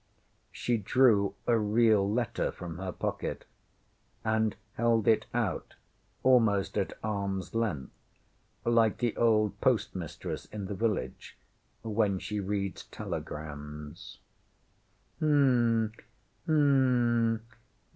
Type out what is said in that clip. ŌĆÖ She drew a real letter from her pocket, and held it out almost at armŌĆÖs length, like the old post mistress in the village when she reads telegrams.